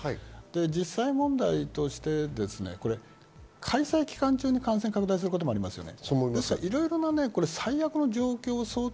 実際問題として開催期間中に感染が拡大することもありますよね。